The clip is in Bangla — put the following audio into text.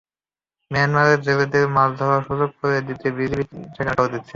মিয়ানমারের জেলেদের মাছ ধরার সুযোগ করে দিতে বিজিপি সেখানে টহল দিচ্ছে।